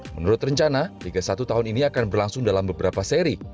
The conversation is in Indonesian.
menurut rencana liga satu tahun ini akan berlangsung dalam beberapa seri